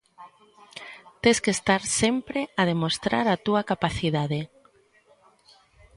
Tes que estar sempre a demostrar a túa capacidade.